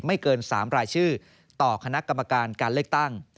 ไม่เกิน๓รายชื่อต่อคณะกรรมการการเลือกตั้ง